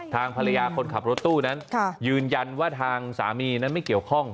ทางภรรยาคนขับรถตู้นั้นยืนยันว่าทางสามีนั้นไม่เกี่ยวข้อง